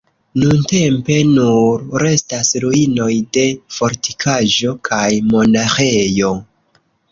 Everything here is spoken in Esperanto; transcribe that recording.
Nuntempe nur restas ruinoj de fortikaĵo kaj monaĥejo.